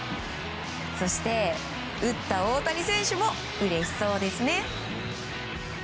そして、打った大谷選手もうれしそうですね！